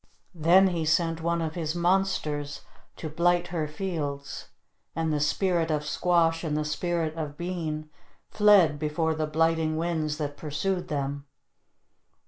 Then he sent one of his monsters to blight her fields and the Spirit of Squash and the Spirit of Bean fled before the blighting winds that pursued them.